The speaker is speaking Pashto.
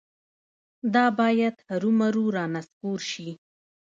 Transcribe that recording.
دا باید هرومرو رانسکور شي.